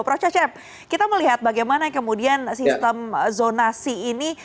prof cecep kita melihat bagaimana kemudian sistem zonasi ini